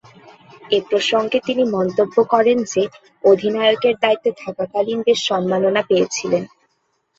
এ প্রসঙ্গে তিনি মন্তব্য করেন যে, অধিনায়কের দায়িত্বে থাকাকালীন বেশ সম্মাননা পেয়েছিলেন।